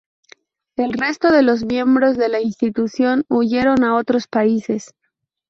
El resto de los miembros de la institución huyeron a otros países.